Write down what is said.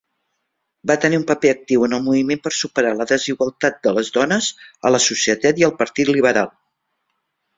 Va tenir un paper actiu en el moviment per superar la desigualtat de les dones a la societat i al partit liberal.